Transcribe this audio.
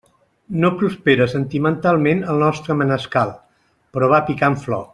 No prospera sentimentalment el nostre manescal, però va picant flor.